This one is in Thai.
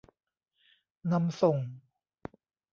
นำส่ง